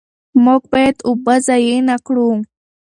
موږ باید اوبه ضایع نه کړو.